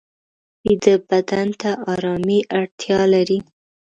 ویده بدن ته آرامي اړتیا لري